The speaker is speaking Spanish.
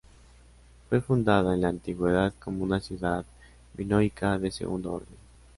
Fue fundada en la Antigüedad como una ciudad minoica de segundo orden.